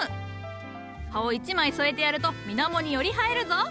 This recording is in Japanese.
葉を一枚添えてやると水面により映えるぞ。